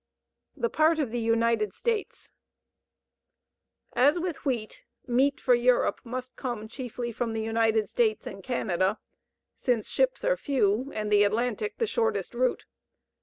THE PART OF THE UNITED STATES As with wheat, meat for Europe must come chiefly from the United States and Canada, since ships are few and the Atlantic the shortest route.